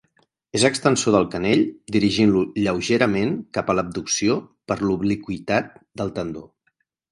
És extensor del canell dirigint-lo lleugerament cap a l'abducció per l'obliqüitat del tendó.